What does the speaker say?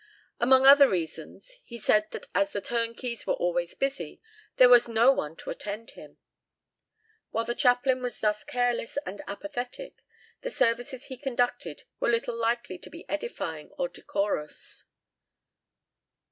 Among other reasons, he said that as the turnkeys were always busy, there was no one to attend him. While the chaplain was thus careless and apathetic, the services he conducted were little likely to be edifying or decorous.